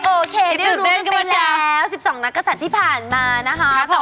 โอเคได้รู้กันไปแล้ว๑๒นักศัตริย์ที่ผ่านมานะคะ